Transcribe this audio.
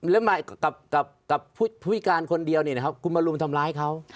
แล้วมากับผู้พิการคนเดียวเนี่ยนะครับคุณมารุมทำร้ายเขา